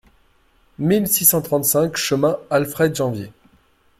mille six cent trente-cinq chemin Alfred Janvier